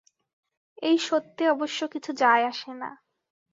এই সত্যে অবশ্য কিছু যায় আসে না।